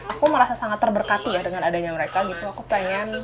aku merasa sangat terberkati ya dengan adanya mereka gitu aku pengen